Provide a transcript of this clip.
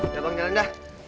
ya bang jalan dah